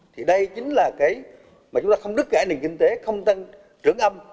thì đây chính là cái mà chúng ta không đứt gãy nền kinh tế không tăng trưởng âm